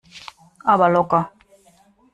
Aber locker!